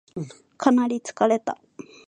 かなり疲れた